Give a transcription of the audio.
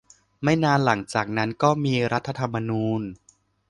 ไม่นานหลังจากนั้นก็มีรัฐธรรมนูญ